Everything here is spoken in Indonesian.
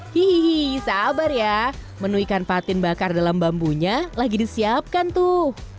hihihi sabar ya menu ikan patin bakar dalam bambunya lagi disiapkan tuh